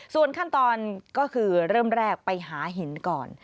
ส่วนขั้นตอนก็คือเริ่มแรกไปหาหินก่อน